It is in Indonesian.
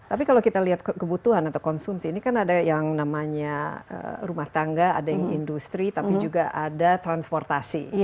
tapi kalau kita lihat kebutuhan atau konsumsi ini kan ada yang namanya rumah tangga ada yang industri tapi juga ada transportasi